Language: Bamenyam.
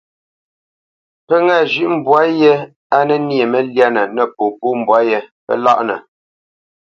Pə́ ŋâ zhʉ̌ʼ mbwǎ yé á nə nyê məlyánə nə popó mbwǎ yé, pə́ láʼnə.